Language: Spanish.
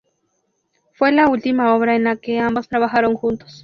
Fue la última obra en la que ambos trabajaron juntos.